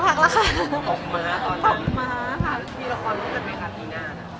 เห็นลาคลับไล่โง่มากเลย